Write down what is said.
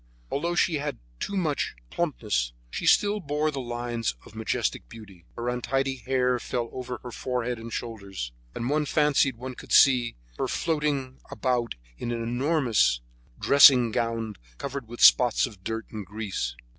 Although she had too much embonpoint, she still bore the lines of majestic beauty; her untidy hair fell over her forehead and shoulders, and one fancied one could see her floating about in an enormous dressing gown covered with spots of dirt and grease.